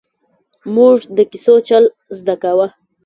ـ مونږ د کیسو چل زده کاوه!